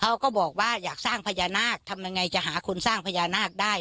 เขาก็บอกว่าอยากสร้างพญานาคทำยังไงจะหาคนสร้างพญานาคได้